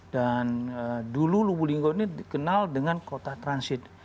dan dulu lubuk linggo ini dikenal dengan kota transit